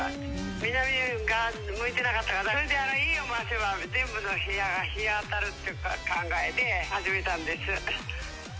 南側に向いてなかったからね、それで、家を回せば、全部の部屋に日が当たるって考えで始めたんです。